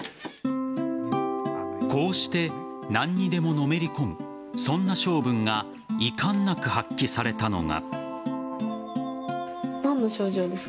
こうして、何にでものめり込むそんな性分がいかんなく発揮されたのが。